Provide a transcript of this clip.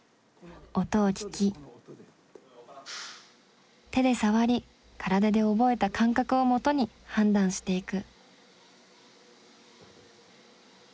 音を聞き手で触り体で覚えた感覚をもとに判断していく。